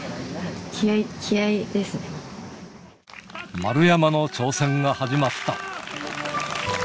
丸山の挑戦が始まった。